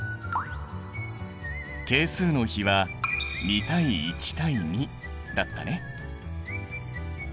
係数の比は２対１対２だったね。